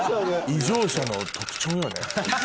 異常者の特徴よね。